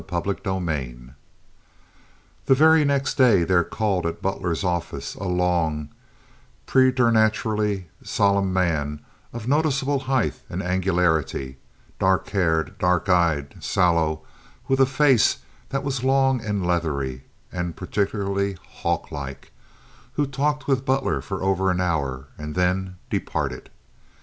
Chapter XXXVI The very next day there called at Butler's office a long, preternaturally solemn man of noticeable height and angularity, dark haired, dark eyed, sallow, with a face that was long and leathery, and particularly hawk like, who talked with Butler for over an hour and then departed.